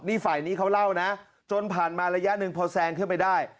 นี่ฝ่ายนี้เขาเล่านะจนผ่านมาระยะหนึ่งพอแซงขึ้นไปได้